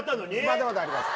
まだまだあります。